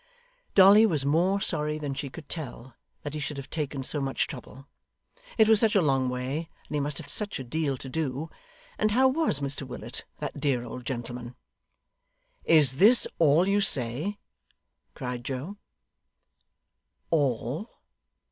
Dolly was more sorry than she could tell, that he should have taken so much trouble. It was such a long way, and he must have such a deal to do. And how WAS Mr Willet that dear old gentleman 'Is this all you say!' cried Joe. All!